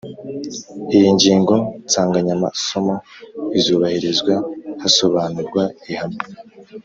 Iyi ngingo nsanganyamasomo izubahirizwa hasobanurwa ihame